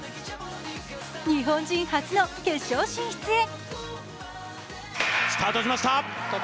日本人初の決勝進出へ。